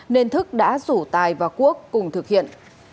nên thức đã rủ tài và quốc cùng thực hiện